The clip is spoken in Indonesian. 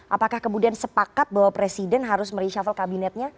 apakah kemudian sepakat bahwa presiden harus mereshuffle kabinetnya